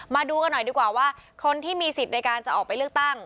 มาดูกันหน่อยดีกว่าว่าคนที่มีสิทธิ์ในการจะออกไปเลือกตั้ง